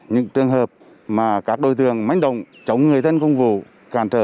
những trường hợp mà các đối tượng mánh động chống người thân công vụ càn trở